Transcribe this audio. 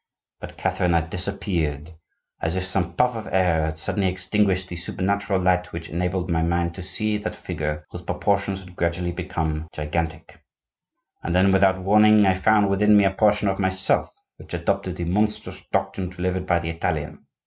But Catherine had disappeared, as if some puff of air had suddenly extinguished the supernatural light which enabled my mind to see that Figure whose proportions had gradually become gigantic. And then, without warning, I found within me a portion of myself which adopted the monstrous doctrine delivered by the Italian.